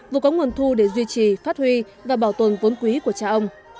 vừa có nguồn thu để duy trì phát huy và bảo tồn vốn quý của cha ông